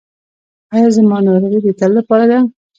ایا زما ناروغي د تل لپاره ده؟